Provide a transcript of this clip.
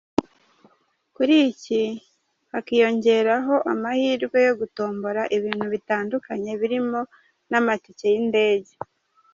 Kuri iki hakiyongeraho amahirwe yo gutombora ibintu bitandukanye birimo n’amatike y’indege.